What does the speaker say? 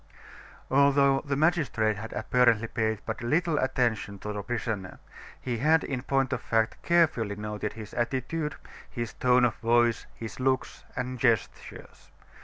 Although the magistrate had apparently paid but little attention to the prisoner, he had in point of fact carefully noted his attitude, his tone of voice, his looks and gestures.